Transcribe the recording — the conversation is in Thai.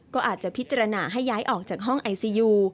ก็อาจจะพิจารณาให้ย้ายออกจากห้องไอซียู